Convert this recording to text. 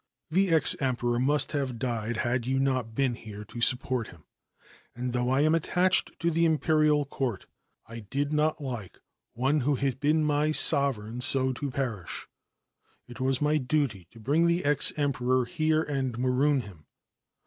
The ex Emperor must have d had you not been here to support him, and, though I ; attached to the Imperial Court, I did not like one \\ had been my sovereign so to perish. It was my di to bring the ex Emperor here and maroon him.